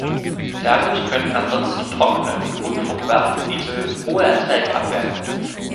Dadurch können ansonsten trockene und unfruchtbare Gebiete hohe Erträge abwerfen.